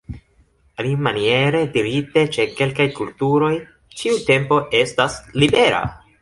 Alimaniere dirite ĉe kelkaj kulturoj ĉiu tempo estas libera.